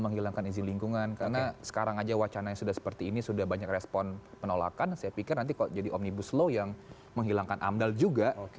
menghilangkan izin lingkungan karena sekarang aja wacana yang sudah seperti ini sudah banyak respon penolakan saya pikir nanti kok jadi omnibus law yang menghilangkan amdal juga